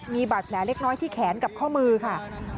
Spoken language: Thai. มีบาดแผลเล็กน้อยที่แขนกับข้อมือค่ะ